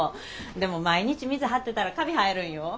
でも毎日水張ってたらカビ生えるんよ。